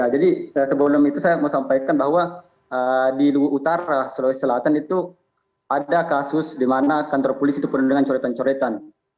jadi sebelum itu saya mau sampaikan bahwa di lugu utara sulawesi selatan itu ada kasus di mana kantor polisi itu penuh dengan coretan coretan